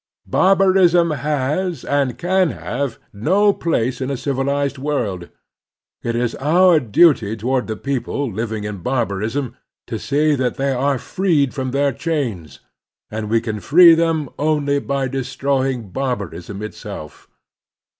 Barbarism has, and can have, no place in a civilized world. It is our duty toward the people living in barbarism to see that they are freed from their chains, and we can free them only by destroy ing barbarism itself.